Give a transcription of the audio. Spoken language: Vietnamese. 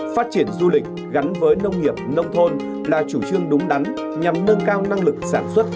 phát triển du lịch gắn với nông nghiệp nông thôn là chủ trương đúng đắn nhằm nâng cao năng lực sản xuất